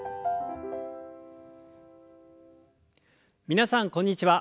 皆さんこんにちは。